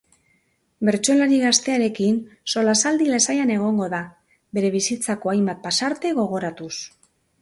Bertsolari gaztearekin solasaldi lasaian egongo da, bere bizitzako hainbat pasarte gogoratuz.